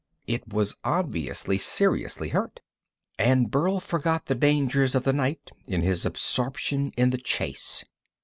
It was obviously seriously hurt, and Burl forgot the dangers of the night in his absorption in the chase.